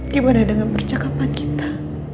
gimana dengan percakapan kita